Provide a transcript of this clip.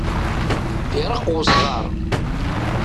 Iṛeqq usɣaṛ.